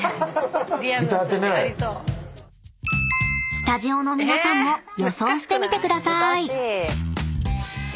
［スタジオの皆さんも予想してみてください］